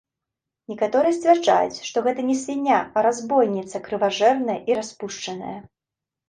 Некаторыя сцвярджаюць, што гэта не свіння, а разбойніца, крыважэрная і распушчаная.